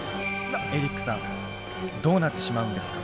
エリックさんどうなってしまうんですか？